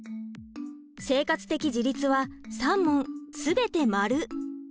生活的自立は３問全て○！